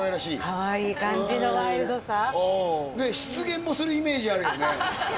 かわいい感じのワイルドさ失言もするイメージあるよね